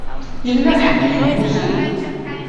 Yella ḥedd i yemmuten.